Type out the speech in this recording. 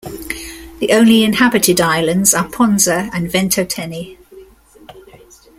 The only inhabited islands are Ponza and Ventotene.